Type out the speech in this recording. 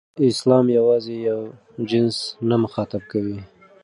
اسلام یوازې یو جنس نه مخاطب کوي.